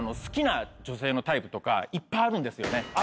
好きな女性のタイプとかいっぱいあるんですよね？